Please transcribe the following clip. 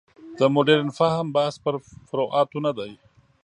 د مډرن فهم بحث پر فروعاتو نه دی.